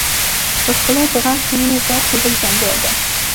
پر ښکلا د غرقې مینې ذوق یې بل جنجال دی.